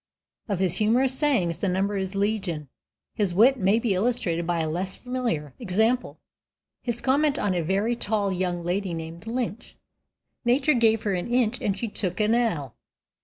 Of his humorous sayings the number is legion; his wit may be illustrated by a less familiar example his comment on a very tall young lady named Lynch: "Nature gave her an inch and she took an ell."